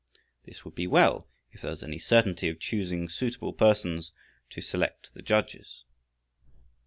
This would be well if there was any certainty of choosing suitable persons to select the judges.